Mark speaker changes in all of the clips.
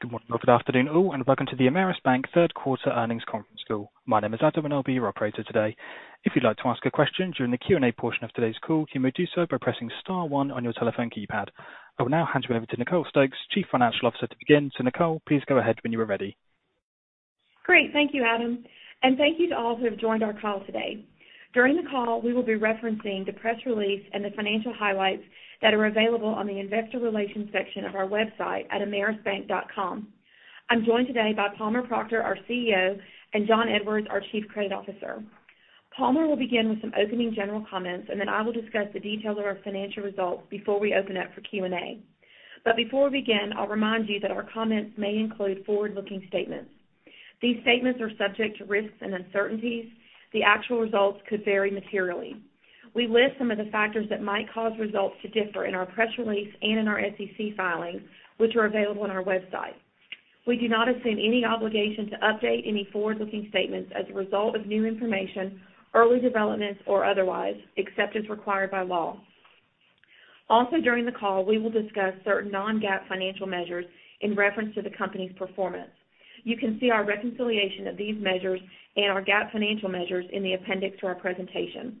Speaker 1: Good morning or good afternoon all, and welcome to the Ameris Bank third quarter earnings conference call. My name is Adam, and I'll be your operator today. If you'd like to ask a question during the Q&A portion of today's call, you may do so by pressing star one on your telephone keypad. I will now hand you over to Nicole Stokes, Chief Financial Officer to begin. Nicole, please go ahead when you are ready.
Speaker 2: Great. Thank you, Adam. Thank you to all who have joined our call today. During the call, we will be referencing the press release and the financial highlights that are available on the investor relations section of our website at amerisbank.com. I'm joined today by Palmer Proctor, our CEO, and Jon Edwards, our Chief Credit Officer. Palmer will begin with some opening general comments, and then I will discuss the details of our financial results before we open up for Q&A. Before we begin, I'll remind you that our comments may include forward-looking statements. These statements are subject to risks and uncertainties. The actual results could vary materially. We list some of the factors that might cause results to differ in our press release and in our SEC filings, which are available on our website. We do not assume any obligation to update any forward-looking statements as a result of new information, early developments or otherwise, except as required by law. Also during the call, we will discuss certain non-GAAP financial measures in reference to the company's performance. You can see our reconciliation of these measures and our GAAP financial measures in the appendix to our presentation.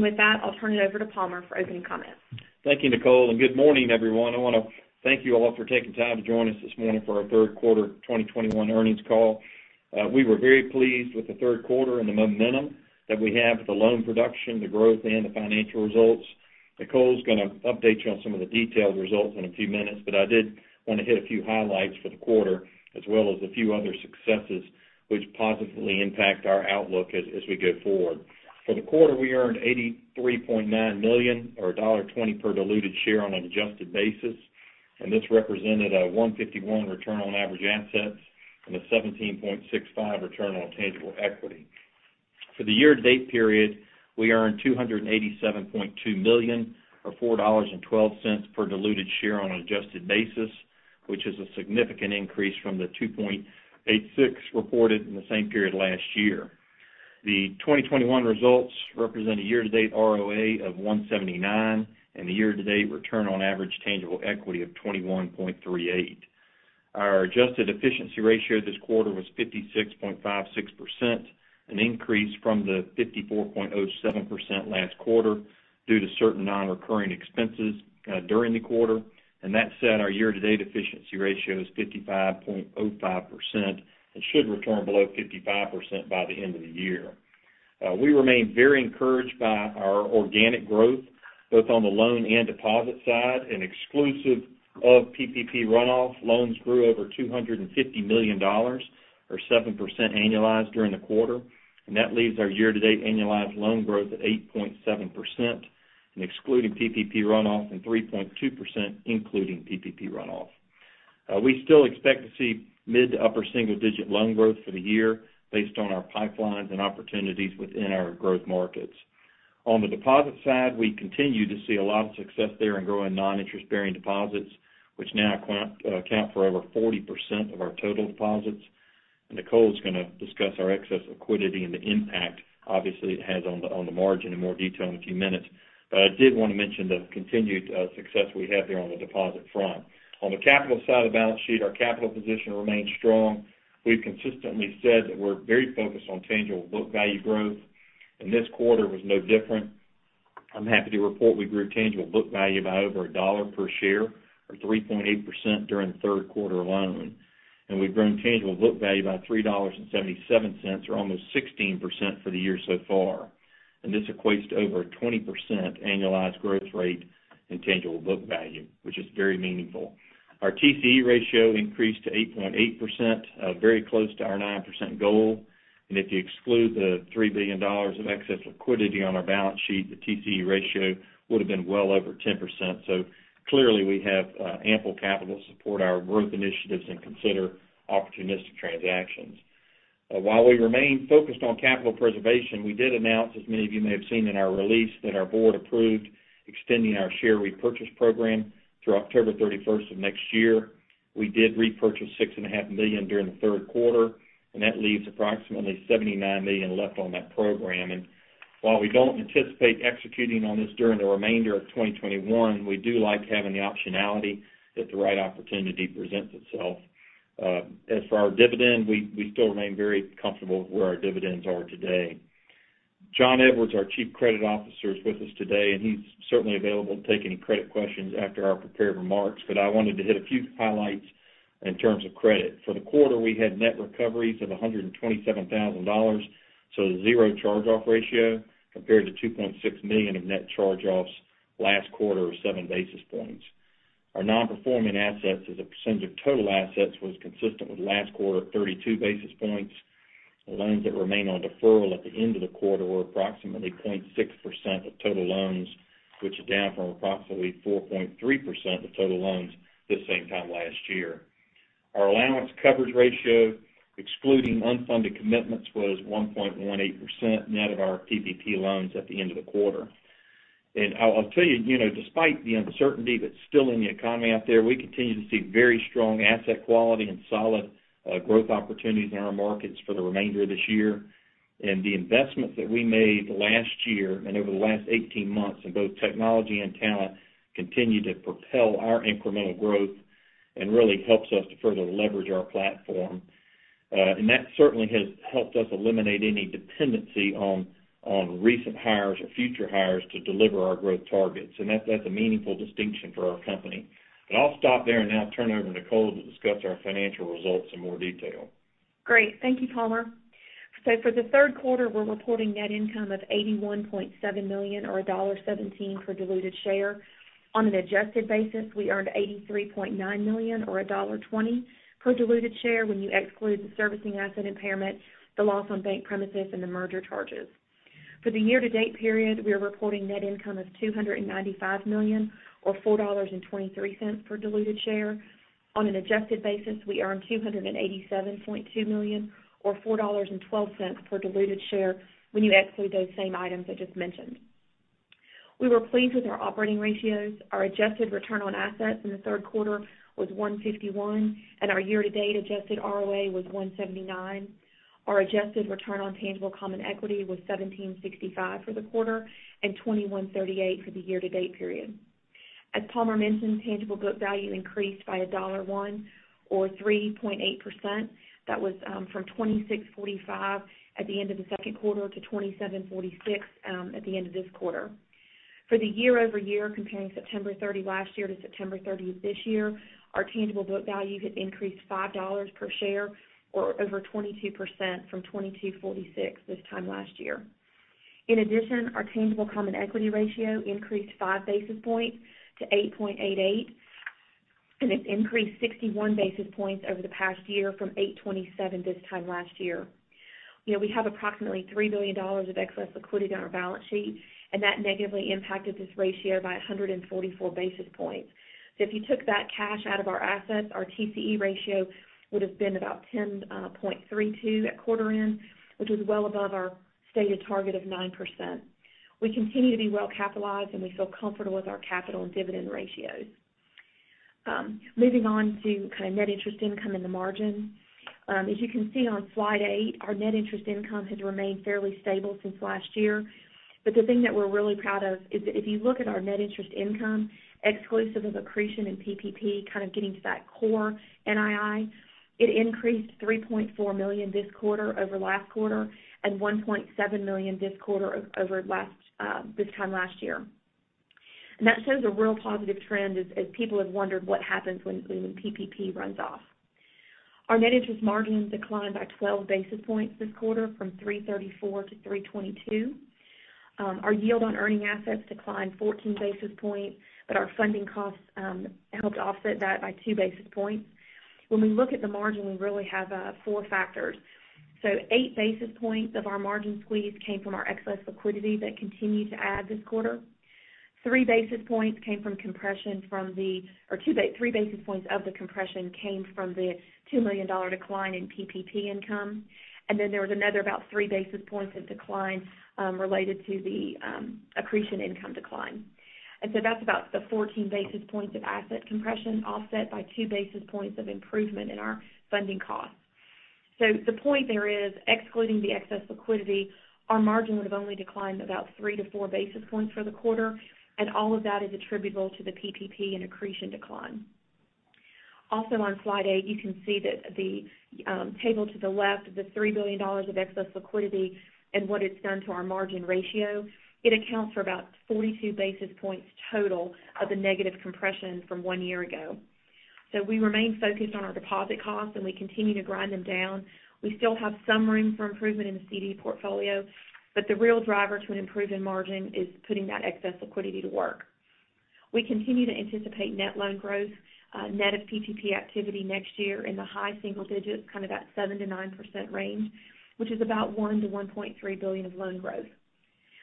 Speaker 2: With that, I'll turn it over to Palmer for opening comments.
Speaker 3: Thank you, Nicole, and good morning, everyone. I want to thank you all for taking time to join us this morning for our third quarter 2021 earnings call. We were very pleased with the third quarter and the momentum that we have with the loan production, the growth and the financial results. Nicole is going to update you on some of the detailed results in a few minutes, but I did want to hit a few highlights for the quarter as well as a few other successes which positively impact our outlook as we go forward. For the quarter, we earned $83.9 million or $1.20 per diluted share on an adjusted basis, and this represented a 1.51% return on average assets and a 17.65% return on tangible equity. For the year-to-date period, we earned $287.2 million or $4.12 per diluted share on an adjusted basis, which is a significant increase from the $2.86 reported in the same period last year. The 2021 results represent a year-to-date ROA of 1.79% and a year-to-date return on average tangible equity of 21.38%. Our adjusted efficiency ratio this quarter was 56.56%, an increase from the 54.07% last quarter due to certain non-recurring expenses during the quarter. That said, our year-to-date efficiency ratio is 55.05% and should return below 55% by the end of the year. We remain very encouraged by our organic growth, both on the loan and deposit side and exclusive of PPP runoff. Loans grew over $250 million or 7% annualized during the quarter. That leaves our year-to-date annualized loan growth at 8.7% excluding PPP runoff and 3.2%, including PPP runoff. We still expect to see mid- to upper-single-digit loan growth for the year based on our pipelines and opportunities within our growth markets. On the deposit side, we continue to see a lot of success there in growing non-interest-bearing deposits, which now account for over 40% of our total deposits. Nicole is going to discuss our excess liquidity and the impact, obviously, it has on the margin in more detail in a few minutes. I did want to mention the continued success we have there on the deposit front. On the capital side of the balance sheet, our capital position remains strong. We've consistently said that we're very focused on tangible book value growth, and this quarter was no different. I'm happy to report we grew tangible book value by over a dollar per share or 3.8% during the third quarter alone. We've grown tangible book value by $3.77 or almost 16% for the year so far. This equates to over a 20% annualized growth rate in tangible book value, which is very meaningful. Our TCE ratio increased to 8.8%, very close to our 9% goal. If you exclude the $3 billion of excess liquidity on our balance sheet, the TCE ratio would have been well over 10%. Clearly, we have ample capital to support our growth initiatives and consider opportunistic transactions. While we remain focused on capital preservation, we did announce, as many of you may have seen in our release, that our board approved extending our share repurchase program through October 31 of next year. We did repurchase 6.5 million during the third quarter, and that leaves approximately 79 million left on that program. While we don't anticipate executing on this during the remainder of 2021, we do like having the optionality if the right opportunity presents itself. As for our dividend, we still remain very comfortable with where our dividends are today. Jon Edwards, our Chief Credit Officer, is with us today, and he's certainly available to take any credit questions after our prepared remarks, but I wanted to hit a few highlights in terms of credit. For the quarter, we had net recoveries of $127,000, so zero charge-off ratio compared to $2.6 million of net charge-offs last quarter or 7 basis points. Our non-performing assets as a percentage of total assets was consistent with last quarter at 32 basis points. The loans that remain on deferral at the end of the quarter were approximately 0.6% of total loans, which is down from approximately 4.3% of total loans this same time last year. Our allowance coverage ratio, excluding unfunded commitments, was 1.18% net of our PPP loans at the end of the quarter. I'll tell you know, despite the uncertainty that's still in the economy out there, we continue to see very strong asset quality and solid growth opportunities in our markets for the remainder of this year. The investments that we made last year and over the last 18 months in both technology and talent continue to propel our incremental growth and really helps us to further leverage our platform. That certainly has helped us eliminate any dependency on recent hires or future hires to deliver our growth targets. That's a meaningful distinction for our company. I'll stop there and now turn it over to Nicole to discuss our financial results in more detail.
Speaker 2: Great. Thank you, Palmer. For the third quarter, we're reporting net income of $81.7 million or $1.17 per diluted share. On an adjusted basis, we earned $83.9 million or $1.20 per diluted share when you exclude the servicing asset impairment, the loss on bank premises and the merger charges. For the year-to-date period, we are reporting net income of $295 million or $4.23 per diluted share. On an adjusted basis, we earned $287.2 million or $4.12 per diluted share when you exclude those same items I just mentioned. We were pleased with our operating ratios. Our adjusted return on assets in the third quarter was 1.51%, and our year-to-date adjusted ROA was 1.79%. Our adjusted return on tangible common equity was 17.65% for the quarter and 21.38% for the year-to-date period. As Palmer mentioned, tangible book value increased by $1.01 or 3.8%. That was from $26.45 at the end of the second quarter to $27.46 at the end of this quarter. For the year-over-year, comparing September 30 last year to September 30 this year, our tangible book value had increased $5 per share or over 22% from $22.46 this time last year. In addition, our tangible common equity ratio increased 5 basis points to 8.88%, and it increased 61 basis points over the past year from 8.27% this time last year. You know, we have approximately $3 billion of excess liquidity on our balance sheet, and that negatively impacted this ratio by 144 basis points. If you took that cash out of our assets, our TCE ratio would have been about 10.32 at quarter end, which was well above our stated target of 9%. We continue to be well capitalized, and we feel comfortable with our capital and dividend ratios. Moving on to kind of net interest income and the margin. As you can see on slide 8, our net interest income has remained fairly stable since last year. The thing that we're really proud of is if you look at our net interest income exclusive of accretion and PPP, kind of getting to that core NII, it increased $3.4 million this quarter over last quarter and $1.7 million this quarter over last, this time last year. That shows a real positive trend as people have wondered what happens when PPP runs off. Our net interest margin declined by 12 basis points this quarter from 3.34 to 3.22. Our yield on earning assets declined 14 basis points, but our funding costs helped offset that by 2 basis points. When we look at the margin, we really have four factors. Eight basis points of our margin squeeze came from our excess liquidity that continued to add this quarter. 3 basis points of the compression came from the $2 million decline in PPP income. There was another about 3 basis points of decline related to the accretion income decline. That's about the 14 basis points of asset compression offset by 2 basis points of improvement in our funding costs. The point there is, excluding the excess liquidity, our margin would have only declined about 3-4 basis points for the quarter, and all of that is attributable to the PPP and accretion decline. Also on slide eight, you can see that the table to the left, the $3 billion of excess liquidity and what it's done to our margin ratio, it accounts for about 42 basis points total of the negative compression from one year ago. We remain focused on our deposit costs, and we continue to grind them down. We still have some room for improvement in the CD portfolio, but the real driver to an improvement margin is putting that excess liquidity to work. We continue to anticipate net loan growth, net of PPP activity next year in the high single digits, kind of that 7%-9% range, which is about $1 billion-$1.3 billion of loan growth.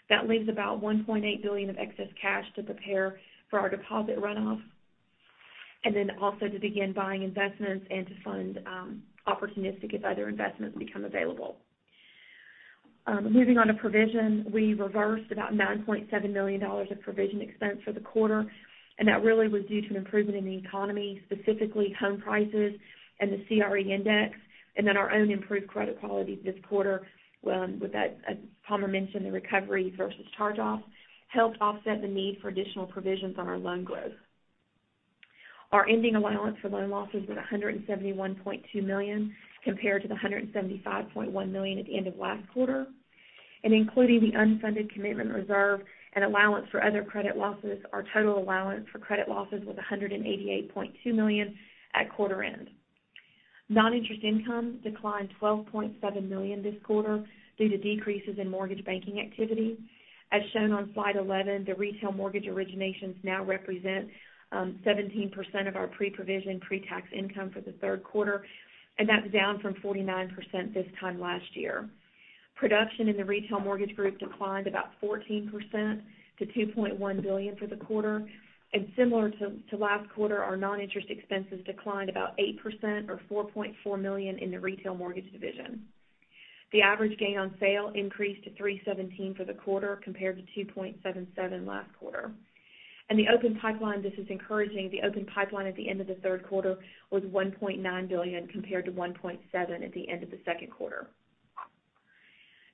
Speaker 2: That leaves about $1.8 billion of excess cash to prepare for our deposit runoff, and then also to begin buying investments and to fund opportunistic if other investments become available. Moving on to provision, we reversed about $9.7 million of provision expense for the quarter, and that really was due to an improvement in the economy, specifically home prices and the CRE index, and then our own improved credit quality this quarter, with that, as Palmer mentioned, the recovery versus charge-off, helped offset the need for additional provisions on our loan growth. Our ending allowance for loan losses was $171.2 million, compared to the $175.1 million at the end of last quarter. Including the unfunded commitment reserve and allowance for other credit losses, our total allowance for credit losses was $188.2 million at quarter end. Non-interest income declined $12.7 million this quarter due to decreases in mortgage banking activity. As shown on slide 11, the retail mortgage originations now represent 17% of our pre-provision, pre-tax income for the third quarter, and that's down from 49% this time last year. Production in the retail mortgage group declined about 14% to $2.1 billion for the quarter, and similar to last quarter, our non-interest expenses declined about 8% or $4.4 million in the retail mortgage division. The average gain on sale increased to 3.17 for the quarter compared to 2.77 last quarter. The open pipeline, this is encouraging. The open pipeline at the end of the third quarter was $1.9 billion compared to $1.7 billion at the end of the second quarter.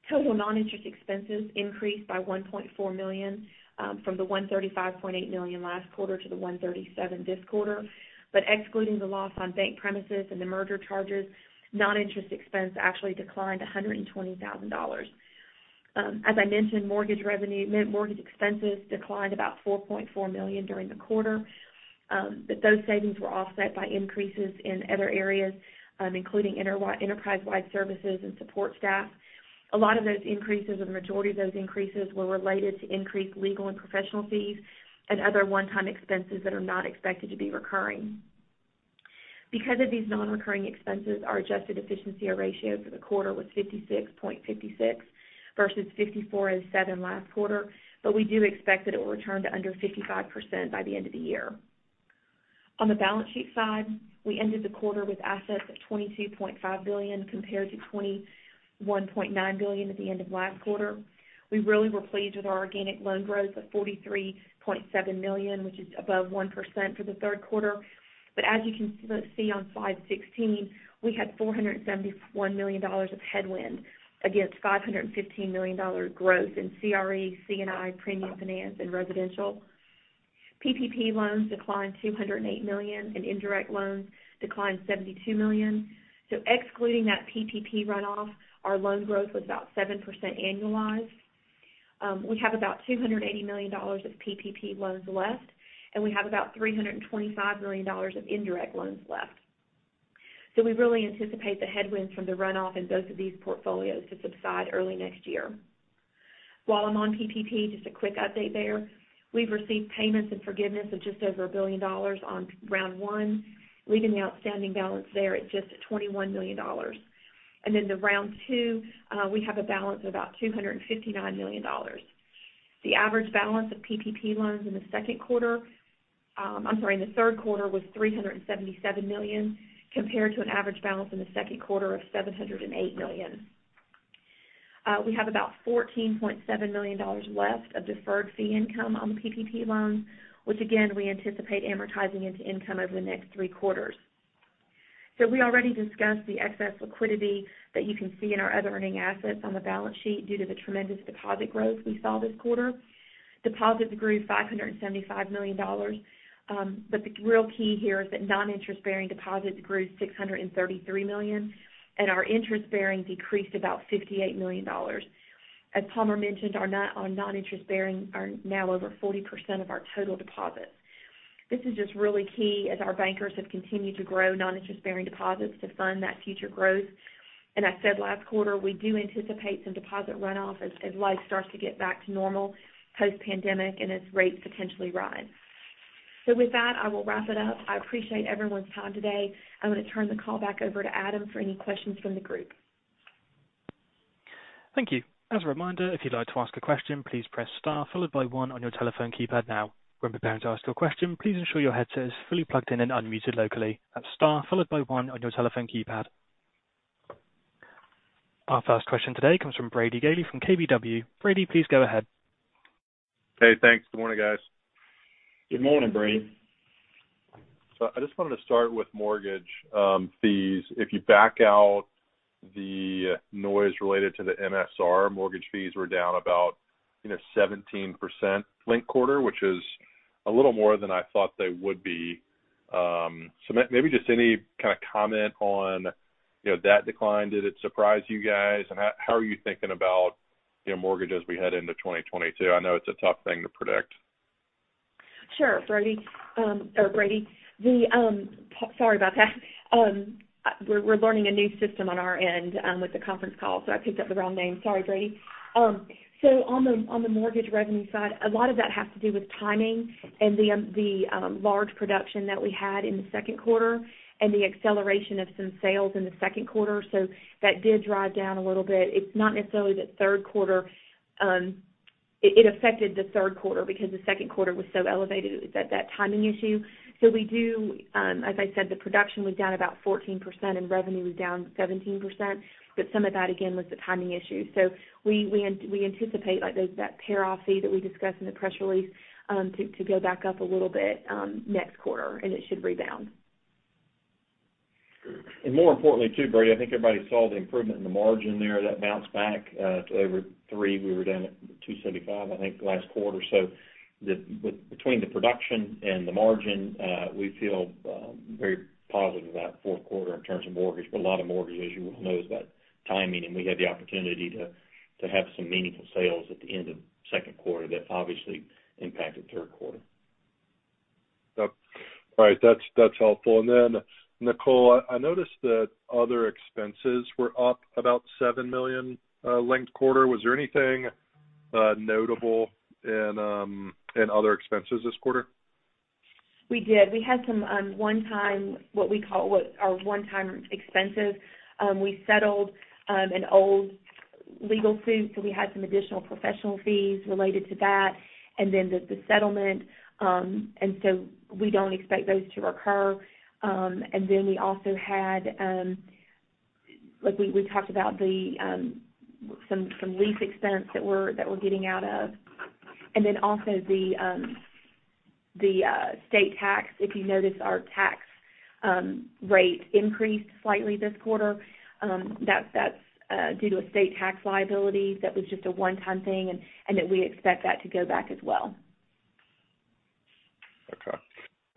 Speaker 2: Total non-interest expenses increased by $1.4 million from the $135.8 million last quarter to the $137 million this quarter. Excluding the loss on bank premises and the merger charges, non-interest expense actually declined $120,000. As I mentioned, net mortgage expenses declined about $4.4 million during the quarter. Those savings were offset by increases in other areas, including enterprise-wide services and support staff. A lot of those increases or the majority of those increases were related to increased legal and professional fees and other one-time expenses that are not expected to be recurring. Because of these non-recurring expenses, our adjusted efficiency ratio for the quarter was 56.56 versus 54.7 last quarter, but we do expect that it will return to under 55% by the end of the year. On the balance sheet side, we ended the quarter with assets of $22.5 billion compared to $21.9 billion at the end of last quarter. We really were pleased with our organic loan growth of $43.7 million, which is above 1% for the third quarter. As you can see on slide 16, we had $474 million of headwind against $515 million growth in CRE, C&I, premium finance, and residential. PPP loans declined $208 million, and indirect loans declined $72 million. Excluding that PPP runoff, our loan growth was about 7% annualized. We have about $280 million of PPP loans left, and we have about $325 million of indirect loans left. We really anticipate the headwinds from the runoff in both of these portfolios to subside early next year. While I'm on PPP, just a quick update there. We've received payments and forgiveness of just over $1 billion on round one, leaving the outstanding balance there at just $21 million. The round two, we have a balance of about $259 million. The average balance of PPP loans in the second quarter, in the third quarter was $377 million, compared to an average balance in the second quarter of $708 million. We have about $14.7 million left of deferred fee income on the PPP loans, which again, we anticipate amortizing into income over the next three quarters. We already discussed the excess liquidity that you can see in our other earning assets on the balance sheet due to the tremendous deposit growth we saw this quarter. Deposits grew $575 million. The real key here is that non-interest-bearing deposits grew $633 million, and our interest-bearing decreased about $58 million. As Palmer mentioned, our non-interest-bearing are now over 40% of our total deposits. This is just really key as our bankers have continued to grow non-interest-bearing deposits to fund that future growth. I said last quarter, we do anticipate some deposit runoff as life starts to get back to normal post-pandemic and as rates potentially rise. With that, I will wrap it up. I appreciate everyone's time today. I'm going to turn the call back over to Adam for any questions from the group.
Speaker 1: Thank you. As a reminder, if you'd like to ask a question, please press star followed by one on your telephone keypad now. When preparing to ask your question, please ensure your headset is fully plugged in and unmuted locally. That's star followed by one on your telephone keypad. Our first question today comes from Brady Gailey from KBW. Brady, please go ahead.
Speaker 4: Hey, thanks. Good morning, guys.
Speaker 2: Good morning, Brady.
Speaker 4: I just wanted to start with mortgage fees. If you back out the noise related to the MSR, mortgage fees were down about, you know, 17% linked quarter, which is a little more than I thought they would be. Maybe just any kind of comment on, you know, that decline. Did it surprise you guys? How are you thinking about, you know, mortgage as we head into 2022? I know it's a tough thing to predict.
Speaker 2: Sure, Brady. Or Brady. Sorry about that. We're learning a new system on our end with the conference call, so I picked up the wrong name. Sorry, Brady. On the mortgage revenue side, a lot of that has to do with timing and the large production that we had in the second quarter and the acceleration of some sales in the second quarter. That did drive down a little bit. It's not necessarily that third quarter it affected the third quarter because the second quarter was so elevated. It was that timing issue. We do, as I said, the production was down about 14% and revenue was down 17%. Some of that again was the timing issue. We anticipate that pair-off fee that we discussed in the press release to go back up a little bit next quarter, and it should rebound. More importantly too, Brady, I think everybody saw the improvement in the margin there. That bounced back to over 3%. We were down at 2.75%, I think, last quarter. With between the production and the margin, we feel very positive about fourth quarter in terms of mortgage. A lot of mortgage, as you well know, is about timing, and we had the opportunity to have some meaningful sales at the end of second quarter that obviously impacted third quarter.
Speaker 4: All right. That's helpful. Then, Nicole, I noticed that other expenses were up about $7 million linked quarter. Was there anything notable in other expenses this quarter?
Speaker 2: We did. We had some one-time, what we call our one-time expenses. We settled an old legal suit, so we had some additional professional fees related to that and the settlement. We don't expect those to recur. We also had, like we talked about, some lease expense that we're getting out of and also the state tax. If you notice our tax rate increased slightly this quarter, that's due to a state tax liability that was just a one-time thing and that we expect that to go back as well.
Speaker 4: Okay.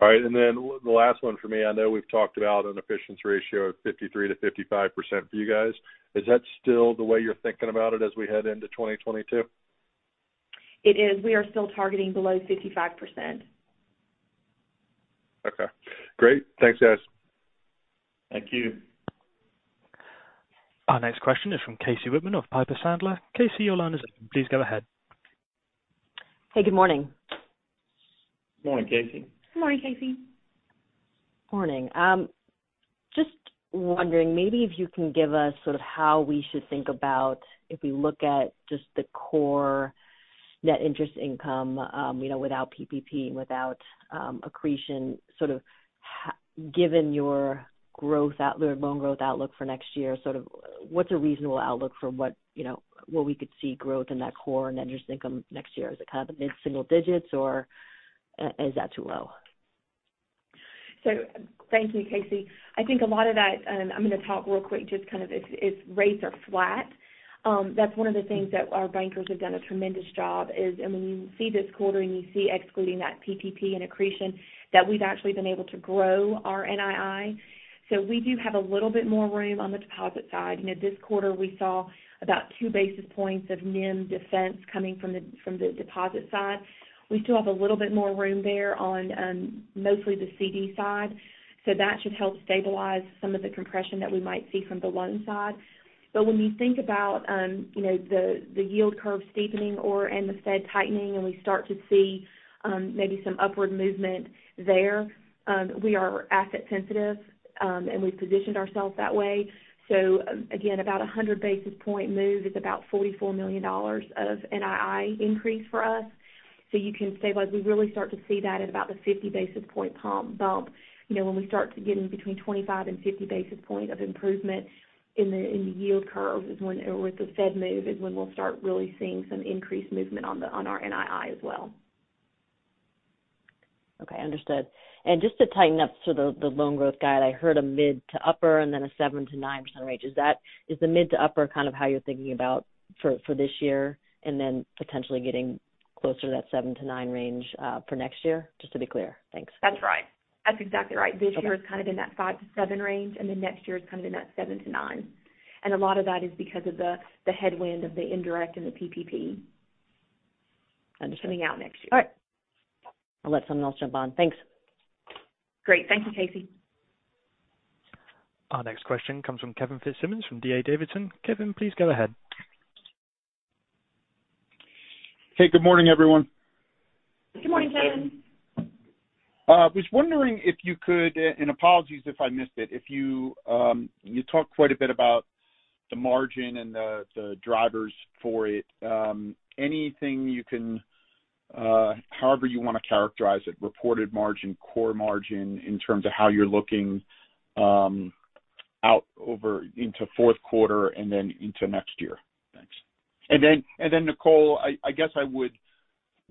Speaker 4: All right. The last one for me, I know we've talked about an efficiency ratio of 53%-55% for you guys. Is that still the way you're thinking about it as we head into 2022?
Speaker 2: It is. We are still targeting below 55%.
Speaker 4: Okay. Great. Thanks, guys.
Speaker 1: Thank you. Our next question is from Casey Whitman of Piper Sandler. Casey, your line is open. Please go ahead.
Speaker 5: Hey, good morning.
Speaker 3: Morning, Casey.
Speaker 2: Morning, Casey.
Speaker 5: Morning. Just wondering maybe if you can give us sort of how we should think about if we look at just the core net interest income, you know, without PPP and without accretion, sort of given your loan growth outlook for next year, sort of what's a reasonable outlook for what, you know, where we could see growth in that core net interest income next year? Is it kind of a mid-single digits percentage or is that too low?
Speaker 2: Thank you, Casey. I think a lot of that, and I'm gonna talk real quick, just kind of if rates are flat. That's one of the things that our bankers have done a tremendous job is and when you see this quarter and you see excluding that PPP and accretion, that we've actually been able to grow our NII. We do have a little bit more room on the deposit side. You know, this quarter we saw about two basis points of NIM defense coming from the deposit side. We still have a little bit more room there on, mostly the CD side. That should help stabilize some of the compression that we might see from the loan side. When you think about, you know, the yield curve steepening and the Fed tightening, and we start to see maybe some upward movement there, we are asset sensitive, and we've positioned ourselves that way. Again, about a 100 basis point move is about $44 million of NII increase for us. You can say, like we really start to see that at about the 50 basis point bump. You know, when we start to get in between 25 and 50 basis points of improvement in the yield curve is when or with the Fed move is when we'll start really seeing some increased movement on our NII as well.
Speaker 5: Okay, understood. Just to tighten up, so the loan growth guide, I heard a mid to upper and then a 7%-9% range. Is the mid to upper kind of how you're thinking about for this year and then potentially getting closer to that 7%-9% range for next year? Just to be clear. Thanks.
Speaker 2: That's right. That's exactly right.
Speaker 5: Okay.
Speaker 2: This year is kind of in that 5%-7% range, and then next year is kind of in that 7%-9%. A lot of that is because of the headwind of the indirect and the PPP.
Speaker 5: Understood
Speaker 2: Coming out next year.
Speaker 5: All right. I'll let someone else jump on. Thanks.
Speaker 2: Great. Thank you, Casey.
Speaker 1: Our next question comes from Kevin Fitzsimmons from D.A. Davidson. Kevin, please go ahead.
Speaker 6: Hey, good morning, everyone.
Speaker 2: Good morning, Kevin.
Speaker 3: Good morning.
Speaker 6: Was wondering if you could, and apologies if I missed it, if you talked quite a bit about the margin and the drivers for it. Anything you can, however you wanna characterize it, reported margin, core margin in terms of how you're looking out over into fourth quarter and then into next year. Thanks. Nicole,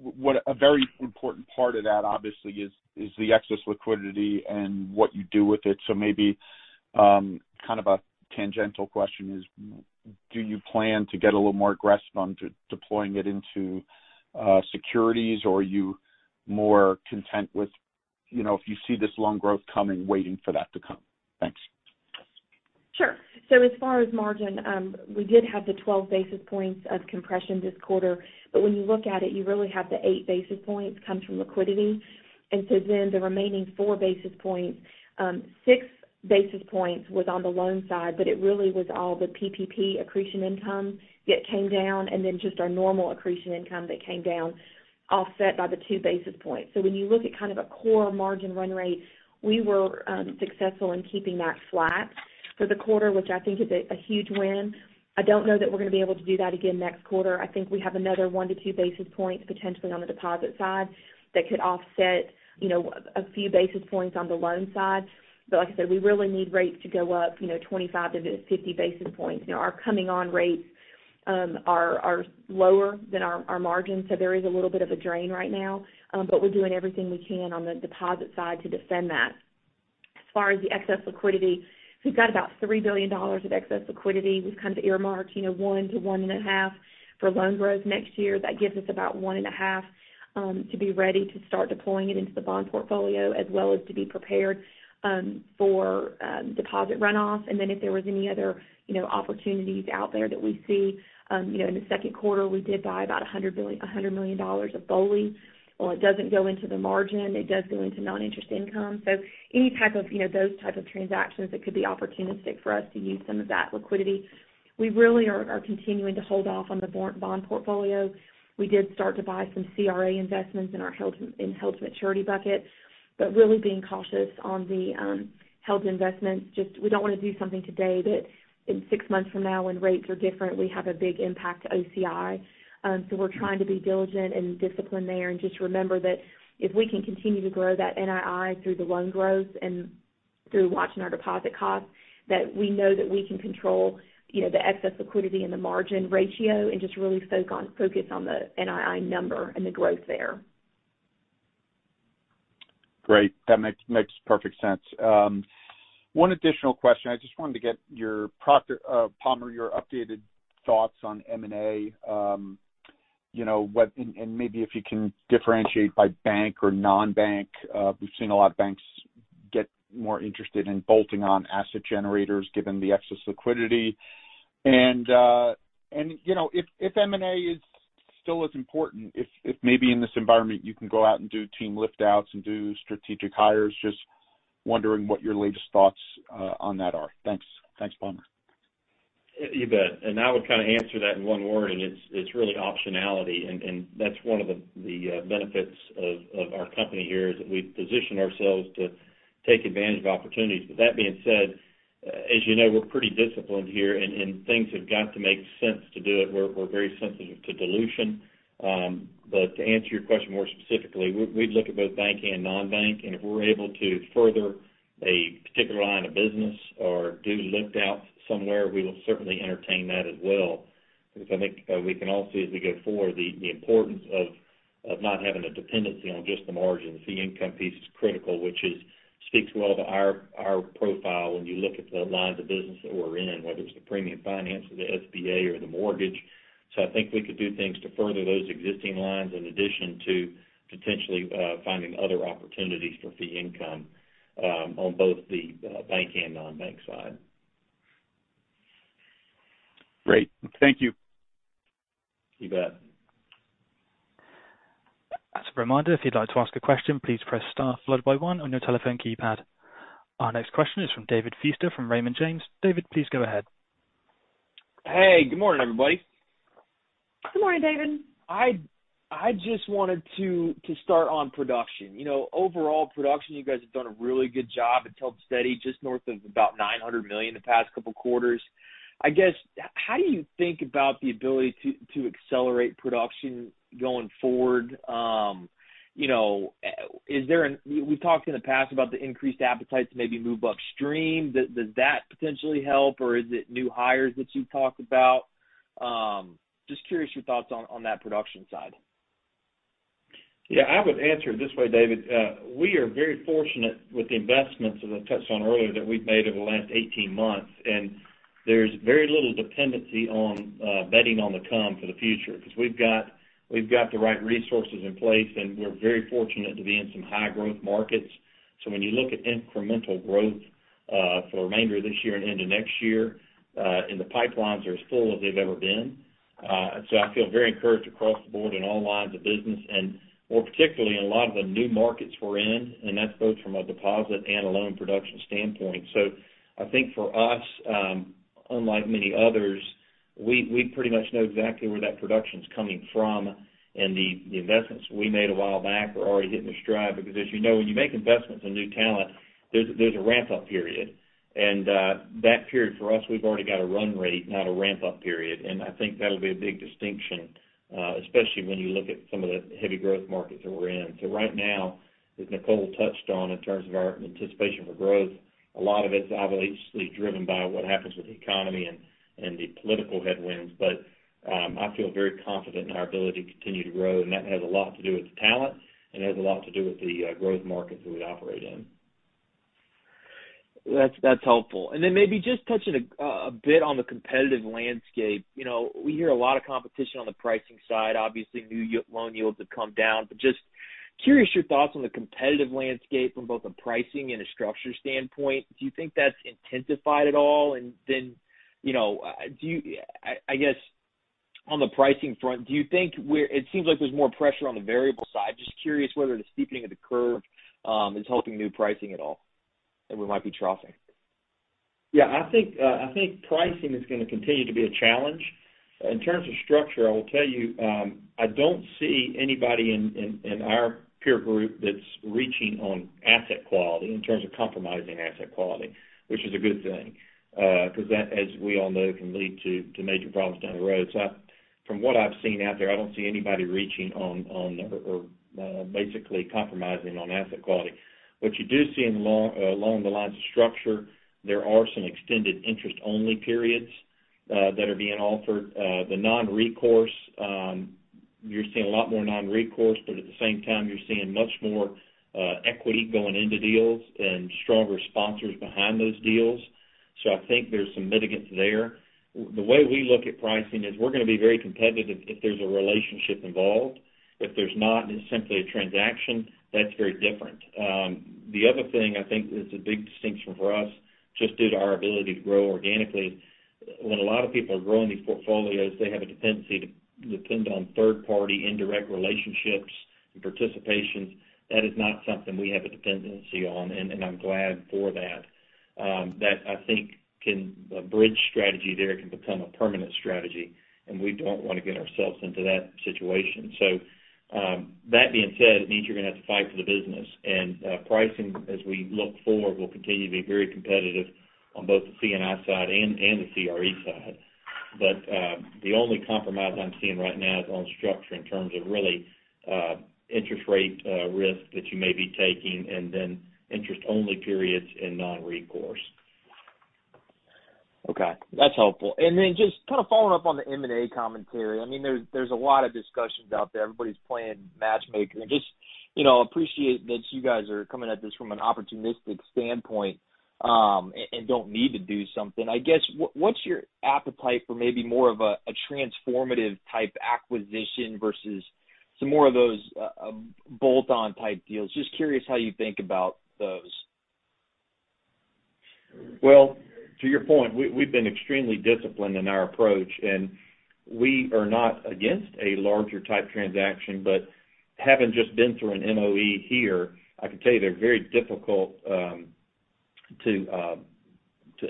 Speaker 6: what a very important part of that obviously is the excess liquidity and what you do with it. Maybe, kind of a tangential question is, do you plan to get a little more aggressive on redeploying it into securities, or are you more content with, you know, if you see this loan growth coming, waiting for that to come? Thanks.
Speaker 2: Sure. As far as margin, we did have the 12 basis points of compression this quarter. When you look at it, you really have the 8 basis points come from liquidity. The remaining four basis points, six basis points was on the loan side, but it really was all the PPP accretion income that came down and then just our normal accretion income that came down, offset by the 2 basis points. When you look at kind of a core margin run rate, we were successful in keeping that flat for the quarter, which I think is a huge win. I don't know that we're gonna be able to do that again next quarter. I think we have another 1-2 basis points potentially on the deposit side that could offset, you know, a few basis points on the loan side. Like I said, we really need rates to go up, you know, 25-50 basis points. You know, our funding rates are lower than our margin. There is a little bit of a drain right now, but we're doing everything we can on the deposit side to defend that. As far as the excess liquidity, we've got about $3 billion of excess liquidity. We've kind of earmarked, you know, $1 billion-$1.5 billion for loan growth next year. That gives us about $1.5 billion to be ready to start deploying it into the bond portfolio, as well as to be prepared for deposit runoff. If there was any other, you know, opportunities out there that we see, in the second quarter, we did buy about $100 million of BOLI. While it doesn't go into the margin, it does go into non-interest income. Any type of, you know, those type of transactions that could be opportunistic for us to use some of that liquidity. We really are continuing to hold off on the bond portfolio. We did start to buy some CRA investments in our held-to-maturity bucket, but really being cautious on the held investments. Just we don't wanna do something today that in six months from now when rates are different, we have a big impact to OCI. We're trying to be diligent and disciplined there. Just remember that if we can continue to grow that NII through the loan growth and through watching our deposit costs that we know that we can control, you know, the excess liquidity and the margin ratio, and just really focus on the NII number and the growth there.
Speaker 6: Great. That makes perfect sense. One additional question. I just wanted to get your prompt, Palmer, your updated thoughts on M&A. You know, and maybe if you can differentiate by bank or non-bank. We've seen a lot of banks get more interested in bolting on asset generators given the excess liquidity. You know, if M&A is still as important, if maybe in this environment you can go out and do team lift outs and do strategic hires, just wondering what your latest thoughts on that are. Thanks, Palmer.
Speaker 3: You bet. I would kind of answer that in one word, and it's really optionality. That's one of the benefits of our company here, is that we position ourselves to take advantage of opportunities. That being said, as you know, we're pretty disciplined here and things have got to make sense to do it. We're very sensitive to dilution. To answer your question more specifically, we'd look at both banking and non-bank, and if we're able to further a particular line of business or do lift outs somewhere, we will certainly entertain that as well. Because I think we can all see as we go forward, the importance of not having a dependency on just the margins. The income piece is critical, which speaks well to our profile when you look at the lines of business that we're in, whether it's the premium finance or the SBA or the mortgage. I think we could do things to further those existing lines in addition to potentially finding other opportunities for fee income on both the bank and non-bank side.
Speaker 6: Great. Thank you.
Speaker 3: You bet.
Speaker 1: As a reminder, if you'd like to ask a question, please press star followed by one on your telephone keypad. Our next question is from David Feaster from Raymond James. David, please go ahead.
Speaker 7: Hey, good morning, everybody.
Speaker 2: Good morning, David.
Speaker 7: I just wanted to start on production. You know, overall production, you guys have done a really good job. It's held steady just north of about $900 million in the past couple quarters. I guess, how do you think about the ability to accelerate production going forward? You know, we've talked in the past about the increased appetite to maybe move upstream. Does that potentially help, or is it new hires that you've talked about? Just curious your thoughts on that production side.
Speaker 3: Yeah. I would answer it this way, David. We are very fortunate with the investments that I touched on earlier that we've made over the last 18 months. There's very little dependency on betting on the come for the future, because we've got the right resources in place, and we're very fortunate to be in some high growth markets. When you look at incremental growth for the remainder of this year and into next year, the pipelines are as full as they've ever been. I feel very encouraged across the board in all lines of business, and more particularly in a lot of the new markets we're in, and that's both from a deposit and a loan production standpoint. I think for us, unlike many others, we pretty much know exactly where that production's coming from. The investments we made a while back are already hitting their stride because as you know, when you make investments in new talent, there's a ramp-up period. That period for us, we've already got a run rate, not a ramp-up period. I think that'll be a big distinction, especially when you look at some of the heavy growth markets that we're in. Right now, as Nicole touched on in terms of our anticipation for growth, a lot of it is obviously driven by what happens with the economy and the political headwinds. I feel very confident in our ability to continue to grow, and that has a lot to do with the talent and has a lot to do with the growth markets that we operate in.
Speaker 7: That's helpful. Maybe just touching a bit on the competitive landscape. You know, we hear a lot of competition on the pricing side. Obviously, new loan yields have come down. Just curious your thoughts on the competitive landscape from both a pricing and a structure standpoint. Do you think that's intensified at all? You know, I guess on the pricing front, do you think it seems like there's more pressure on the variable side. Just curious whether the steepening of the curve is helping new pricing at all, that we might be trouncing.
Speaker 3: Yeah. I think pricing is gonna continue to be a challenge. In terms of structure, I will tell you, I don't see anybody in our peer group that's reaching on asset quality in terms of compromising asset quality, which is a good thing, because that, as we all know, can lead to major problems down the road. From what I've seen out there, I don't see anybody reaching on or basically compromising on asset quality. What you do see along the lines of structure, there are some extended interest-only periods that are being offered. The non-recourse, you're seeing a lot more non-recourse, but at the same time you're seeing much more equity going into deals and stronger sponsors behind those deals. I think there's some mitigants there. The way we look at pricing is we're gonna be very competitive if there's a relationship involved. If there's not, and it's simply a transaction, that's very different. The other thing I think is a big distinction for us, just due to our ability to grow organically, when a lot of people are growing these portfolios, they have a dependency to depend on third party indirect relationships and participations. That is not something we have a dependency on, and I'm glad for that. That I think can, a bridge strategy there can become a permanent strategy, and we don't wanna get ourselves into that situation. That being said, it means you're gonna have to fight for the business. Pricing, as we look forward, will continue to be very competitive on both the C&I side and the CRE side. The only compromise I'm seeing right now is on structure in terms of really interest rate risk that you may be taking, and then interest-only periods and non-recourse.
Speaker 7: Okay, that's helpful. Then just kind of following up on the M&A commentary. I mean, there's a lot of discussions out there. Everybody's playing matchmaker. I just, you know, appreciate that you guys are coming at this from an opportunistic standpoint, and don't need to do something. I guess, what's your appetite for maybe more of a transformative type acquisition versus some more of those bolt-on type deals? Just curious how you think about those.
Speaker 3: Well, to your point, we've been extremely disciplined in our approach. We are not against a larger type transaction, but having just been through an MOE here, I can tell you they're very difficult to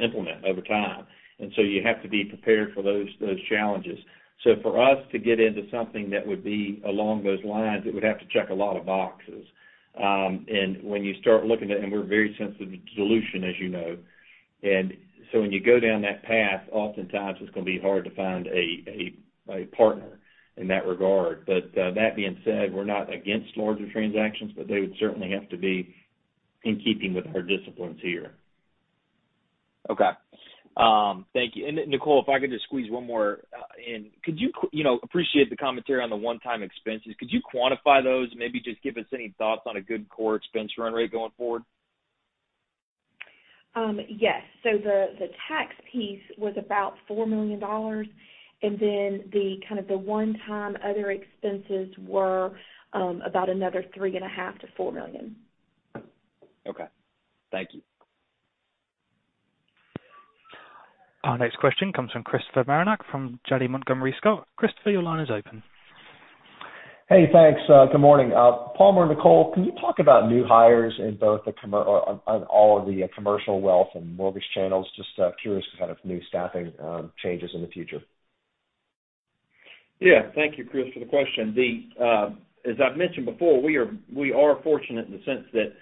Speaker 3: implement over time. You have to be prepared for those challenges. For us to get into something that would be along those lines, it would have to check a lot of boxes. We're very sensitive to dilution, as you know. When you go down that path, oftentimes it's gonna be hard to find a partner in that regard. That being said, we're not against larger transactions, but they would certainly have to be in keeping with our disciplines here.
Speaker 7: Okay. Thank you. Nicole, if I could just squeeze one more in. I appreciate the commentary on the one-time expenses. Could you quantify those? Maybe just give us any thoughts on a good core expense run rate going forward.
Speaker 2: Yes. The tax piece was about $4 million, and then the kind of one-time other expenses were about another $3.5 million-$4 million.
Speaker 7: Okay. Thank you.
Speaker 1: Our next question comes from Christopher Marinac from Janney Montgomery Scott. Christopher, your line is open.
Speaker 8: Hey, thanks. Good morning. Palmer and Nicole, can you talk about new hires in both or on all of the commercial wealth and mortgage channels? Just curious to kind of new staffing changes in the future.
Speaker 3: Yeah. Thank you, Chris, for the question. The, as I've mentioned before, we are fortunate in the sense that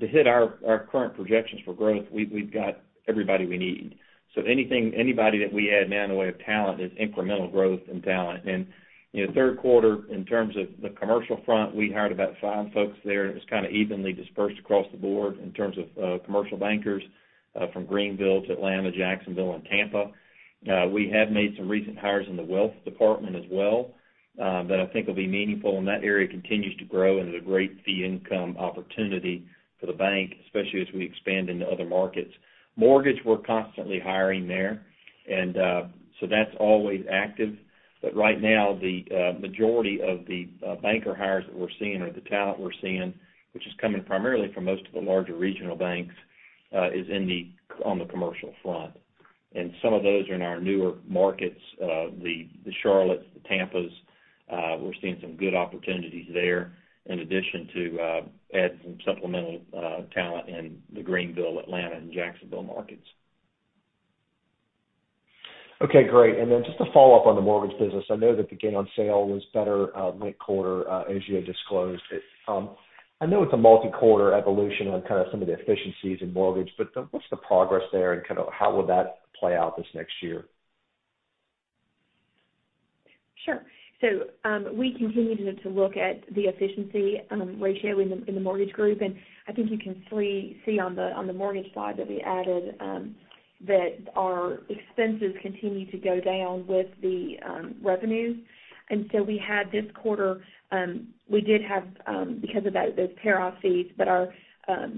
Speaker 3: to hit our current projections for growth, we've got everybody we need. So anything, anybody that we add now in the way of talent is incremental growth and talent. In the third quarter, in terms of the commercial front, we hired about five folks there. It was kind of evenly dispersed across the board in terms of commercial bankers from Greenville to Atlanta, Jacksonville and Tampa. We have made some recent hires in the wealth department as well, that I think will be meaningful, and that area continues to grow into the great fee income opportunity for the bank, especially as we expand into other markets. Mortgage, we're constantly hiring there. So that's always active. Right now, the majority of the banker hires that we're seeing or the talent we're seeing, which is coming primarily from most of the larger regional banks, is on the commercial front. Some of those are in our newer markets, the Charlotte's, the Tampa's. We're seeing some good opportunities there in addition to adding some supplemental talent in the Greenville, Atlanta and Jacksonville markets.
Speaker 8: Okay, great. Just a follow-up on the mortgage business. I know that the gain on sale was better mid-quarter, as you had disclosed it. I know it's a multi-quarter evolution on kind of some of the efficiencies in mortgage, but what's the progress there and kind of how will that play out this next year?
Speaker 2: Sure. We continue to look at the efficiency ratio in the mortgage group. I think you can see on the mortgage side that our expenses continue to go down with the revenues. We had this quarter. We did have, because of that, those pair-off fees that are, you know,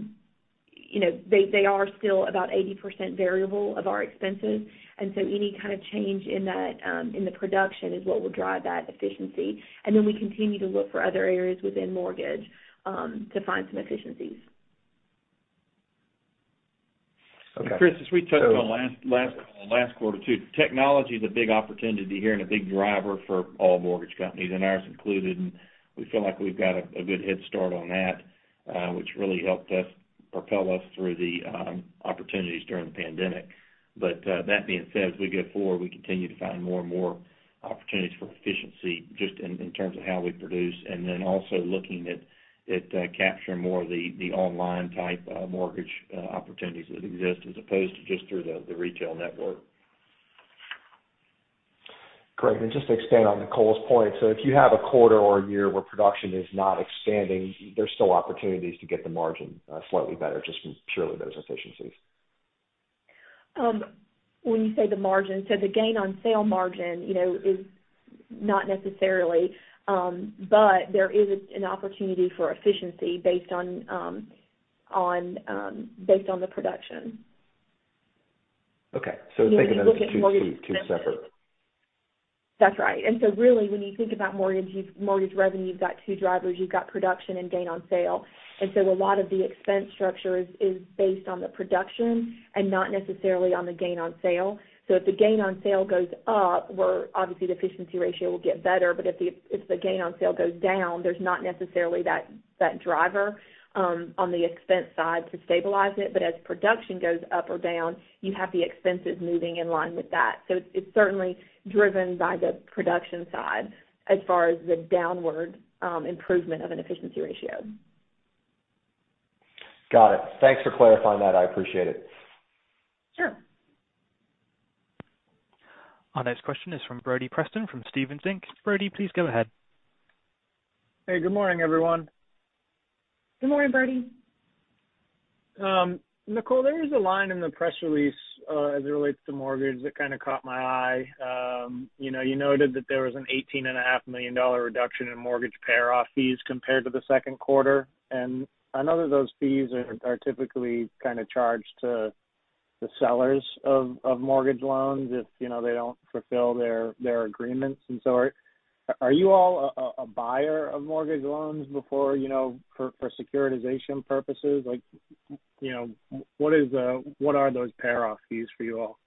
Speaker 2: they are still about 80% variable of our expenses. Any kind of change in that in the production is what will drive that efficiency. We continue to look for other areas within mortgage to find some efficiencies.
Speaker 8: Okay.
Speaker 3: Chris, as we touched on last quarter too, technology is a big opportunity here and a big driver for all mortgage companies, and ours included. We feel like we've got a good head start on that, which really helped us propel through the opportunities during the pandemic. That being said, as we go forward, we continue to find more and more opportunities for efficiency just in terms of how we produce, and then also looking at capturing more of the online type mortgage opportunities that exist as opposed to just through the retail network.
Speaker 8: Great. Just to expand on Nicole's point. If you have a quarter or a year where production is not expanding, there's still opportunities to get the margin slightly better just from purely those efficiencies.
Speaker 2: When you say the margin, so the gain on sale margin, you know, is not necessarily, there is an opportunity for efficiency based on the production.
Speaker 8: It's like another two separate.
Speaker 2: That's right. Really when you think about mortgage revenue, you've got two drivers, you've got production and gain on sale. A lot of the expense structure is based on the production and not necessarily on the gain on sale. If the gain on sale goes up, obviously the efficiency ratio will get better. If the gain on sale goes down, there's not necessarily that driver on the expense side to stabilize it. As production goes up or down, you have the expenses moving in line with that. It's certainly driven by the production side as far as the downward improvement of an efficiency ratio. Got it. Thanks for clarifying that. I appreciate it. Sure.
Speaker 1: Our next question is from Brody Preston from Stephens Inc. Brodie, please go ahead.
Speaker 9: Hey, good morning, everyone.
Speaker 2: Good morning, Brody.
Speaker 9: Nicole, there is a line in the press release as it relates to mortgage that kind of caught my eye. You know, you noted that there was an $18.5 million reduction in mortgage pair-off fees compared to the second quarter. I know that those fees are typically kind of charged to the sellers of mortgage loans if, you know, they don't fulfill their agreements and so on. Are you all a buyer of mortgage loans before, you know, for securitization purposes? Like, you know, what are those pair-off fees for you all?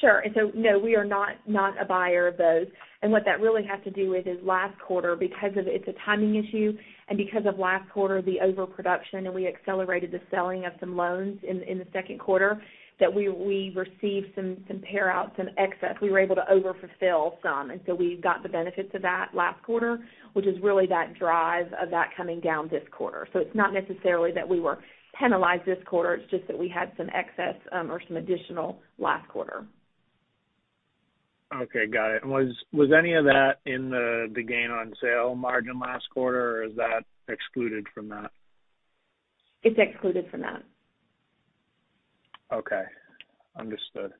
Speaker 2: Sure. No, we are not a buyer of those. What that really has to do with is last quarter, because it's a timing issue and because of last quarter, the overproduction, and we accelerated the selling of some loans in the second quarter that we received some payouts and excess. We were able to overfulfill some, and so we got the benefits of that last quarter, which is really that drive of that coming down this quarter. It's not necessarily that we were penalized this quarter. It's just that we had some excess or some additional last quarter.
Speaker 9: Okay, got it. Was any of that in the gain on sale margin last quarter, or is that excluded from that?
Speaker 2: It's excluded from that.
Speaker 9: Okay. Understood.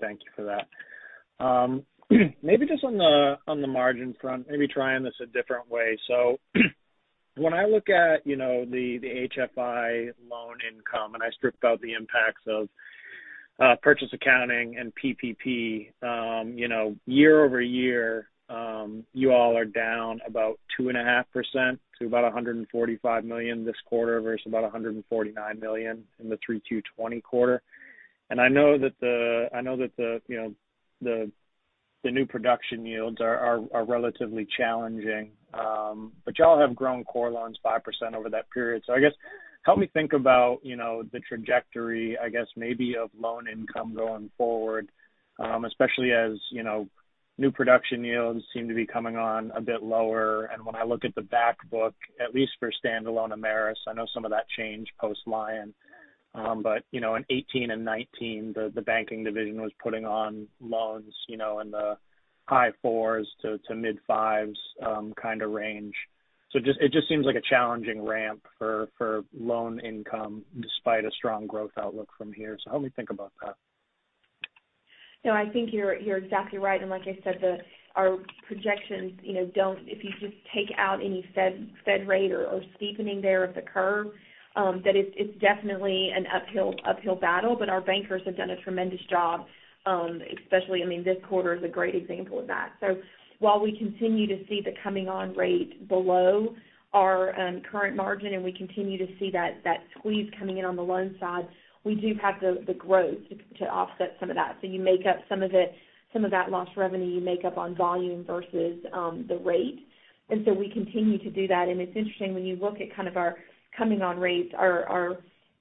Speaker 9: Thank you for that. Maybe just on the margin front, maybe trying this a different way. When I look at, you know, the HFI loan income, and I strip out the impacts of purchase accounting and PPP, you know, year-over-year, you all are down about 2.5% to about $145 million this quarter versus about $149 million in the 3Q20 quarter. I know that the, you know, the new production yields are relatively challenging. But y'all have grown core loans 5% over that period. I guess help me think about, you know, the trajectory, I guess, maybe of loan income going forward, especially as, you know, new production yields seem to be coming on a bit lower. When I look at the back book, at least for standalone Ameris, I know some of that changed post Lion, but, you know, in 2018 and 2019, the banking division was putting on loans, you know, in the high 4s to mid 5s kind of range. It just seems like a challenging ramp for loan income despite a strong growth outlook from here. Help me think about that.
Speaker 2: No, I think you're exactly right. Like I said, our projections, you know, if you just take out any Fed rate or steepening of the curve, that it's definitely an uphill battle. Our bankers have done a tremendous job, especially, I mean, this quarter is a great example of that. While we continue to see the coming on rate below our current margin, and we continue to see that squeeze coming in on the loan side, we do have the growth to offset some of that. You make up some of it, some of that lost revenue, you make up on volume versus the rate. We continue to do that. It's interesting when you look at kind of our coming on rates, our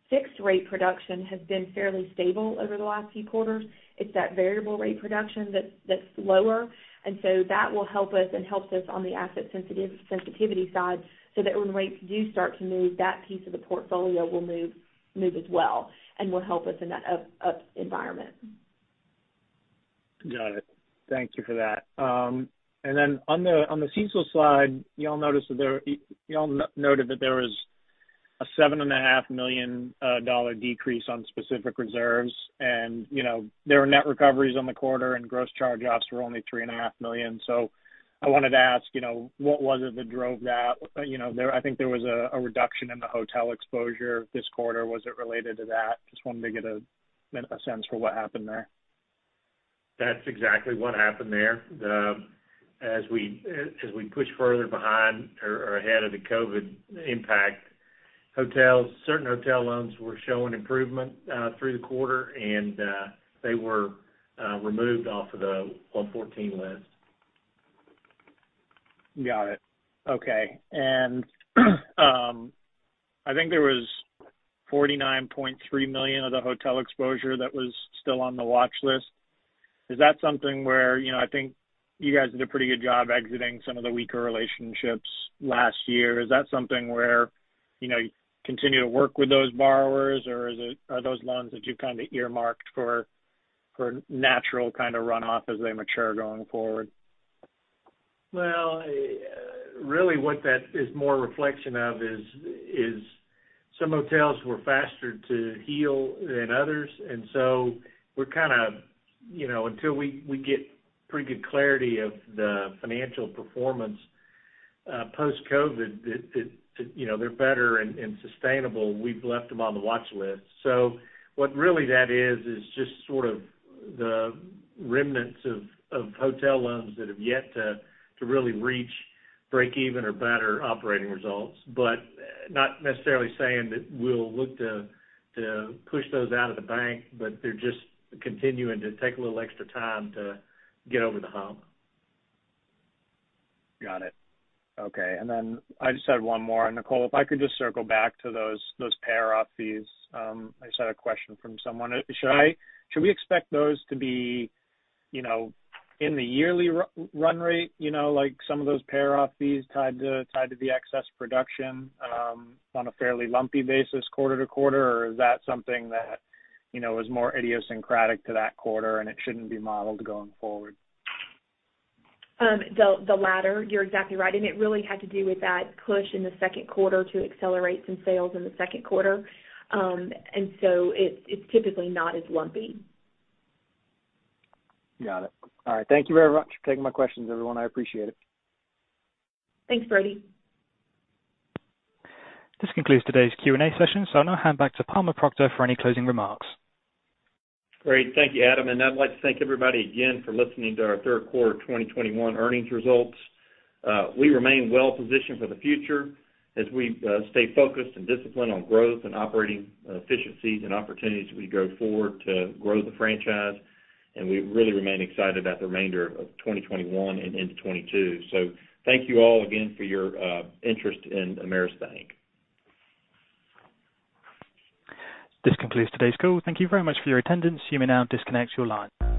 Speaker 2: fixed rate production has been fairly stable over the last few quarters. It's that variable rate production that's lower. That will help us and helps us on the asset sensitivity side, so that when rates do start to move, that piece of the portfolio will move as well and will help us in that up environment.
Speaker 9: Got it. Thank you for that. On the CECL slide, y'all noted that there was a $7.5 million dollar decrease on specific reserves. You know, there were net recoveries in the quarter and gross charge offs were only $3.5 million. I wanted to ask, you know, what was it that drove that? You know, I think there was a reduction in the hotel exposure this quarter. Was it related to that? Just wanted to get a sense for what happened there.
Speaker 2: That's exactly what happened there. As we push further behind or ahead of the COVID impact, certain hotel loans were showing improvement through the quarter and they were removed off of the 114 list.
Speaker 9: Got it. Okay. I think there was $49.3 million of the hotel exposure that was still on the watch list. Is that something where, you know, I think you guys did a pretty good job exiting some of the weaker relationships last year. Is that something where, you know, you continue to work with those borrowers, or is it, are those loans that you've kind of earmarked for natural kind of runoff as they mature going forward?
Speaker 10: Well, really what that is more reflection of is some hotels were faster to heal than others. We're kind of, you know, until we get pretty good clarity of the financial performance post-COVID that, you know, they're better and sustainable, we've left them on the watch list. What really that is is just sort of the remnants of hotel loans that have yet to really reach break even or better operating results. Not necessarily saying that we'll look to push those out of the bank, but they're just continuing to take a little extra time to get over the hump.
Speaker 9: Got it. Okay. I just had one more. Nicole, if I could just circle back to those pair-off fees. I just had a question from someone. Should we expect those to be, you know, in the yearly run rate, you know, like some of those pair-off fees tied to the excess production on a fairly lumpy basis quarter to quarter? Or is that something that, you know, is more idiosyncratic to that quarter and it shouldn't be modeled going forward?
Speaker 2: The latter, you're exactly right. It really had to do with that push in the second quarter to accelerate some sales in the second quarter. It's typically not as lumpy.
Speaker 9: Got it. All right. Thank you very much for taking my questions, everyone. I appreciate it.
Speaker 2: Thanks, Brody.
Speaker 1: This concludes today's Q&A session. I'll now hand back to Palmer Proctor for any closing remarks.
Speaker 3: Great. Thank you, Adam, and I'd like to thank everybody again for listening to our third quarter 2021 earnings results. We remain well positioned for the future as we stay focused and disciplined on growth and operating efficiencies and opportunities as we go forward to grow the franchise. We really remain excited about the remainder of 2021 and into 2022. Thank you all again for your interest in Ameris Bank.
Speaker 1: This concludes today's call. Thank you very much for your attendance. You may now disconnect your line.